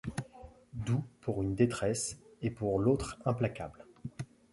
Doux pour une détresse et pour l'autre implacable